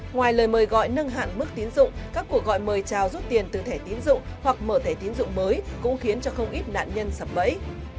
ngoài lời mời gọi nâng hạn mức tiến dụng các cuộc gọi mời trào rút tiền từ thẻ tiến dụng hoặc mở thẻ tiến dụng mới cũng khiến cho không ít nạn nhân sập bẫy